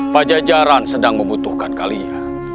pajajaran sedang membutuhkan kalian